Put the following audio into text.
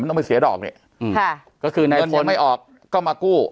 มันต้องไปเสียดอกเนี้ยค่ะก็คือไม่ออกก็มากู้